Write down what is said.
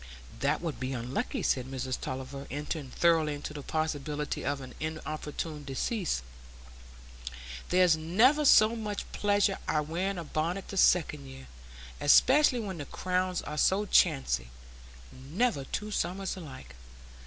"That would be unlucky," said Mrs Tulliver, entering thoroughly into the possibility of an inopportune decease. "There's never so much pleasure i' wearing a bonnet the second year, especially when the crowns are so chancy,—never two summers alike."